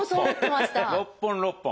６本６本？